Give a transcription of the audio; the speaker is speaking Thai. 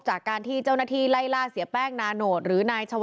จากการที่เจ้าหน้าที่ไล่ล่าเสียแป้งนาโนตหรือนายชาว